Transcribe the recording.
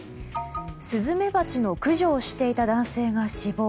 スズメバチの駆除をしていた男性が死亡。